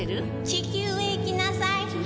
「地球へ行きなさい」